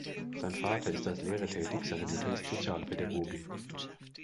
Sein Vater ist als Lehrer tätig, seine Mutter ist Sozialpädagogin.